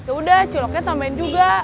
yaudah ciloknya tambahin juga